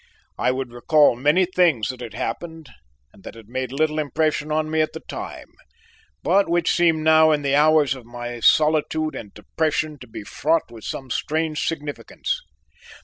I would recall many things that had happened and that had made little impression on me at the time, but which seemed now in the hours of my solitude and depression to be fraught with some strange significance.